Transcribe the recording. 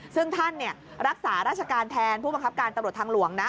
ซึ่งท่านรักษาราชการแทนผู้บังคับการตำรวจทางหลวงนะ